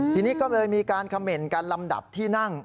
ทีนี้ก็เลยมีการเขม่นกันลำดับที่นั่ง